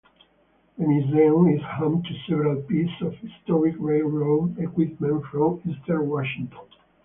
The museum is home to several pieces of historic railroad equipment from Eastern Washington.